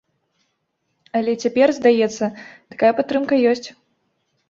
Але цяпер, здаецца, такая падтрымка ёсць.